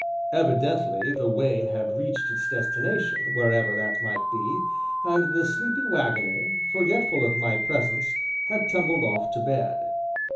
Evidently the wain had reached its destination, wherever that might be, and the sleepy wagoner, forgetful of my presence, had tumbled off to bed.